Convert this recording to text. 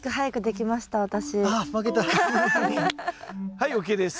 はいＯＫです。